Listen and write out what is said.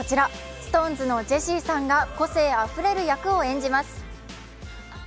ＳｉｘＴＯＮＥＳのジェシーさんが個性あふれる役を演じます。